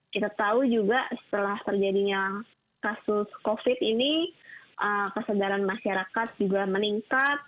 kita tahu juga setelah terjadinya kasus covid ini kesadaran masyarakat juga meningkat